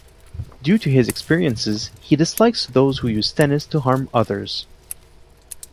Due to his experiences, he dislikes those who use tennis to harm others.